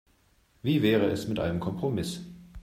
Wie wäre es mit einem Kompromiss?